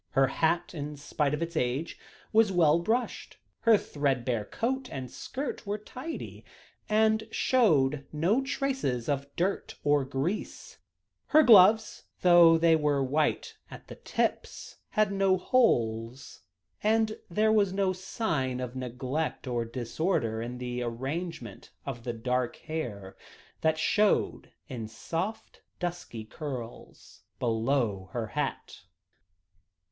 Her hat, in spite of its age, was well brushed; her threadbare coat and skirt were tidy, and showed no traces of dirt or grease; her gloves, though they were white at the tips, had no holes; and there was no sign of neglect or disorder in the arrangement of the dark hair, that showed in soft, dusky curls below her hat.